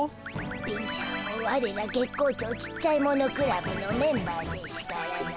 貧しゃんもワレら月光町ちっちゃいものクラブのメンバーでしゅからな。